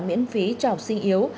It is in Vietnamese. miễn phí cho học sinh yếu